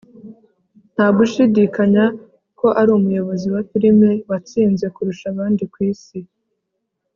nta gushidikanya ko ari umuyobozi wa firime watsinze kurusha abandi ku isi